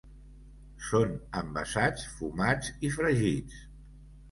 Són envasats, fumats i fregits.